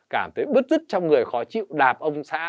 cảm thấy bứt sức trong người khó chịu đạp ông xã